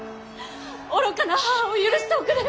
愚かな母を許しておくれ。